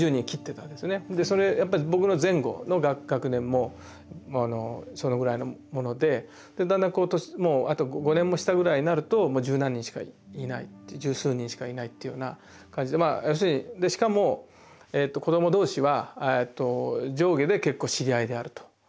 でやっぱ僕の前後の学年もそのぐらいのものでだんだんもうあと５年も下ぐらいになるともう十何人しかいないって十数人しかいないっていうような感じでしかも子ども同士は上下で結構知り合いであると。